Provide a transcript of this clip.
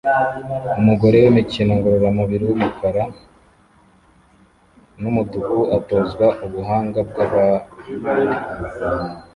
Umugore wimikino ngororamubiri wumukara numutuku atozwa ubuhanga bwabari